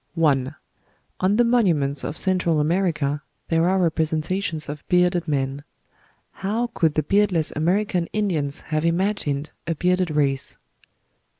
1. ON the monuments of Central America there are representations of bearded men. How could the beardless American Indians have imagined a bearded race?